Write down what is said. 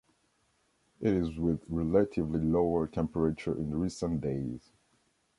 It is with relatively lower temperature in recent days.